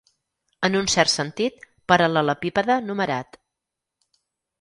En un cert sentit, paral·lelepípede numerat.